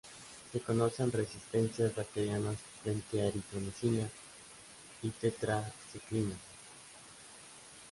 Se conocen resistencias bacterianas frente a eritromicina y tetraciclina.